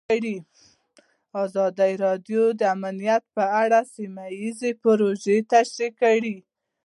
ازادي راډیو د امنیت په اړه سیمه ییزې پروژې تشریح کړې.